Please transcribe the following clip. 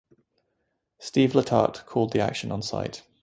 Steve Letarte called the action on site.